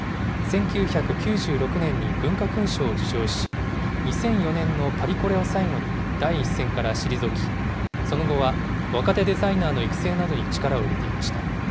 １９９６年に文化勲章を受章し、２００４年のパリコレを最後に、第一線から退き、その後は若手デザイナーの育成などに力を入れていました。